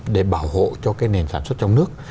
để bảo hộ cho cái nền sản xuất trong nước